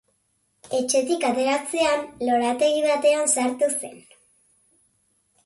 Etxetik ateratzean lorategi batean sartu zen.